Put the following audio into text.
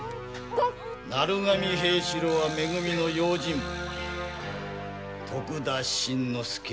鳴神平四郎はめ組の用心棒の徳田新之助